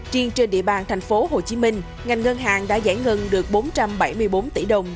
triên trên địa bàn thành phố hồ chí minh ngành ngân hàng đã giải ngân được bốn trăm bảy mươi bốn tỷ đồng